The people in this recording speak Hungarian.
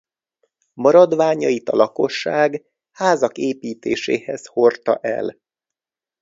Maradványait a lakosság házak építéséhez hordta el.